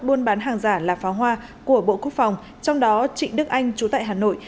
buôn bán hàng giả là pháo hoa của bộ quốc phòng trong đó trị đức anh chú tại hà nội